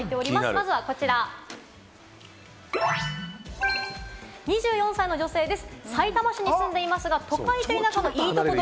まずは、こちら２４歳の女性です。